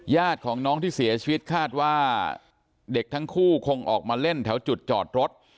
ญาติของน้องที่เสียชีวิตคาดว่าเด็กทั้งคู่คงออกมาเล่นแถวจุดจอดรถ